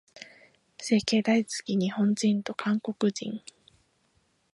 整形大好き、日本人と韓国人。